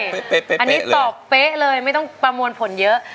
ต่อกเป๊ะเลยอันนี้ต่อกเป๊ะเลยไม่ต้องประมวลผลเยอะ